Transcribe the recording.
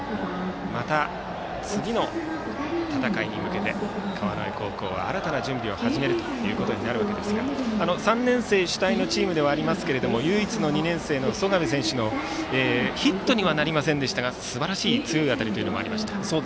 また次の戦いに向けて川之江高校は新たな準備を始めることになるわけですが３年生主体のチームではありますが唯一の２年生の曽我部選手のヒットにはなりませんでしたがすばらしい強い当たりもありました。